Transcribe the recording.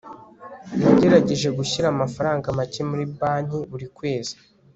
nagerageje gushyira amafaranga make muri banki buri kwezi